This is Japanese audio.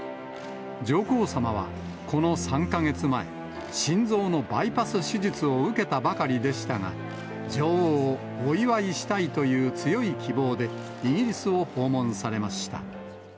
上皇さまは、この３か月前、心臓のバイパス手術を受けたばかりでしたが、女王をお祝いしたいという強い希望で、イギリスを訪問されました。